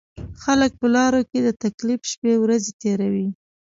خلک په لارو کې د تکلیف شپېورځې تېروي.